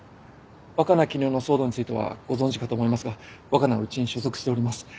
若菜絹代の騒動についてはご存じかと思いますが若菜はうちに所属しております。